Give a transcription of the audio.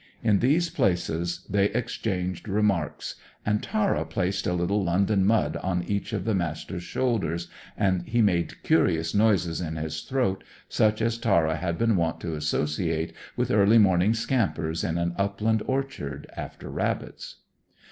In these places they exchanged remarks, and Tara placed a little London mud on each of the Master's shoulders, and he made curious noises in his throat, such as Tara had been wont to associate with early morning scampers in an upland orchard, after rabbits.